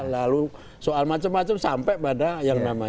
lalu soal macam macam sampai pada yang namanya